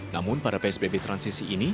namun pada psbb transisi ini